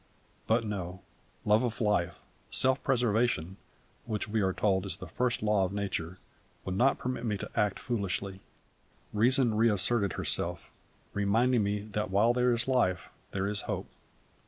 But no; love of life, self preservation, which we are told is the first law of nature, would not permit me to act foolishly; reason reasserted herself, reminding me that while there is life there is hope.